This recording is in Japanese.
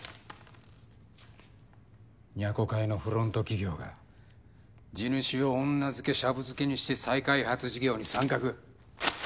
「若琥会のフロント企業が地主を女漬けシャブ漬けにして再開発事業に参画」。